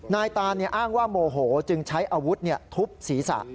นายตานอ้างว่าโมโหจึงใช้อาวุธทุบศีรษะ